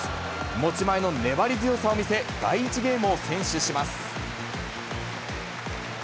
持ち前の粘り強さを見せ、第１ゲームを先取します。